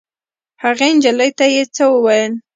هغې نجلۍ ته یې څه وویل.